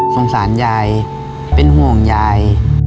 สงสารยายเป็นห่วงยาย